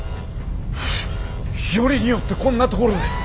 よりによってこんなところで。